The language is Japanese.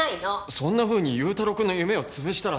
そんなふうに優太郎くんの夢を潰したら。